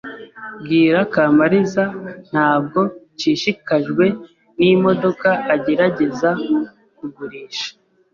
Bwira Kamaliza Ntabwo nshishikajwe n'imodoka agerageza kugurisha.